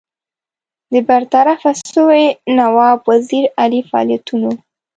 د برطرفه سوي نواب وزیر علي فعالیتونو.